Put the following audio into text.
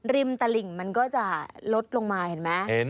ตลิ่งมันก็จะลดลงมาเห็นไหม